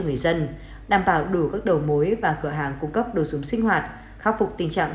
người dân đảm bảo đủ các đầu mối và cửa hàng cung cấp đồ dùng sinh hoạt khắc phục tình trạng